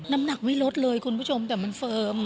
น้ำหนักไม่ลดเลยคุณผู้ชมแต่มันเฟิร์ม